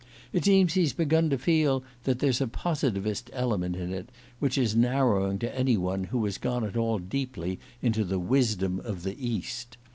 It seems he's begun to feel that there's a Positivist element in it which is narrowing to any one who has gone at all deeply into the Wisdom of the East.